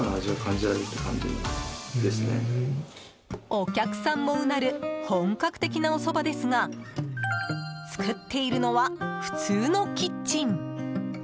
お客さんも、うなる本格的なおそばですが作っているのは普通のキッチン。